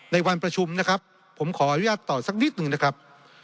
ในวันประชุมนะครับผมขออนุญาตต่อสักนิดหนึ่งนะครับ